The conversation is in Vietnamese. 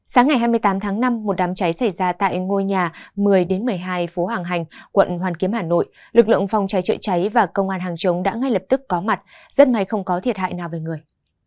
sáng ngày hai mươi tám tháng năm một đám cháy xảy ra tại ngôi nhà một mươi một mươi hai phố hàng hành quận hoàn kiếm hà nội lực lượng phòng cháy chữa cháy và công an hàng chống đã ngay lập tức có mặt rất may không có thiệt hại nào về người